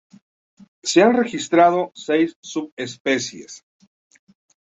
Se han registrado seis subespecies.